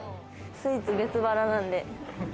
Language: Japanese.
スイーツ、別腹なんで。